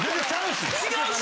違うし。